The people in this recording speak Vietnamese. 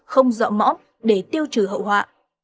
không dọa mõm để tiêu trừ hậu họa